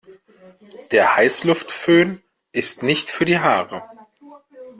Der Heißluftföhn ist nicht für die Haare.